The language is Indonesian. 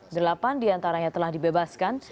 delapan diantaranya telah dibebaskan